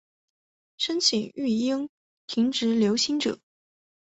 申请育婴留职停薪者